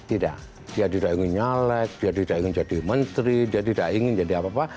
tidak dia tidak ingin nyalek dia tidak ingin jadi menteri dia tidak ingin jadi apa apa